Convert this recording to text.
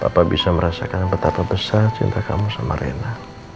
apa bisa merasakan betapa besar cinta kamu sama rena